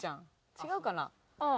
違うかな？